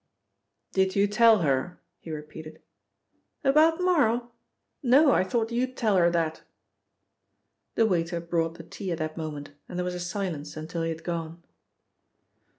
"Did you tell her?" he repeated. "About Marl? No, I thought you'd tell her that." The waiter brought the tea at that moment and there was a silence until he had gone.